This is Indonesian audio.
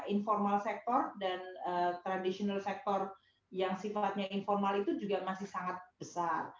informal sector dan traditional sector yang sifatnya informal itu juga masih sangat besar